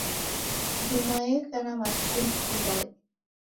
Njumwa yeka na matuku mfungade